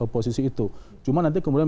posisi itu cuma nanti kemudian